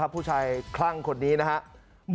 พูดชัยคลังคนนี้นะครับ